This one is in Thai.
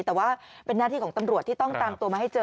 แต่ว่าเป็นหน้าที่ของตำรวจที่ต้องตามตัวมาให้เจอ